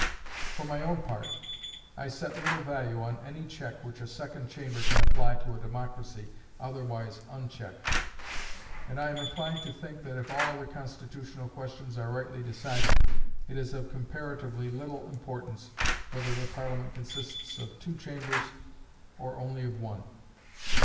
For my own part, I set little value on any check which a Second Chamber can apply to a democracy otherwise unchecked; and I am inclined to think that if all other constitutional questions are rightly decided, it is of comparatively little importance whether the Parliament consists of two Chambers or only of one.